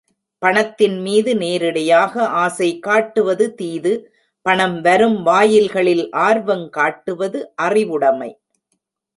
பணத்தின் மீது நேரிடையாக ஆசை காட்டுவது தீது, பணம் வரும் வாயில்களில் ஆர்வங் காட்டுவது அறிவுடைமை.